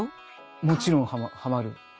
もちろんハマる。